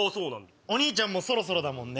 お兄ちゃんもそろそろだもんね。